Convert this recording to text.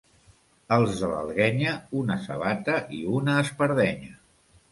Els de l'Alguenya, una sabata i una espardenya.